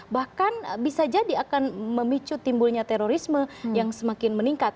bahkan bisa jadi akan memicu timbulnya terorisme yang semakin meningkat